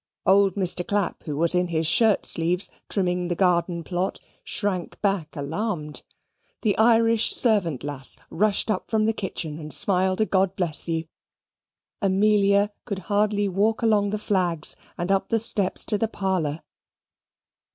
Old Mr. Clapp, who was in his shirt sleeves, trimming the garden plot, shrank back alarmed. The Irish servant lass rushed up from the kitchen and smiled a "God bless you." Amelia could hardly walk along the flags and up the steps into the parlour.